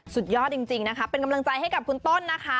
สุดยอดจริงนะคะเป็นกำลังใจให้กับคุณต้นนะคะ